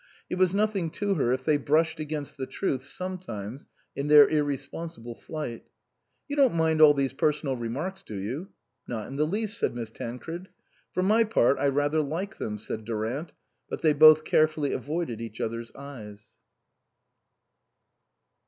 It was nothing to her if they brushed against the truth sometimes in their irresponsible flight. " You don't mind all these personal remarks, do you?" " Not in the least," said Miss Tancred. "For my part I rather like them," said Durant ; but they both carefully avoided each other's eyes.